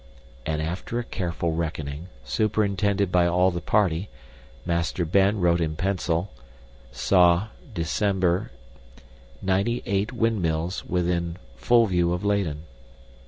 And after a careful reckoning, superintended by all the party, Master Ben wrote in pencil, "Saw, Dec., 184 , ninety eight windmills within full view of Leyden."